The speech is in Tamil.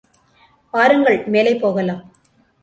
வாருங்கள், மேலே போகலாம்.